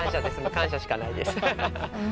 感謝しかないですははは